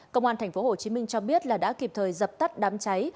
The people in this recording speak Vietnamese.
công an tp hcm cho biết là đã kịp thời dập tắt đám cháy